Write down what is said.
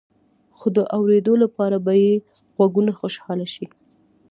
خو د اوریدلو لپاره به يې غوږونه خوشحاله شي.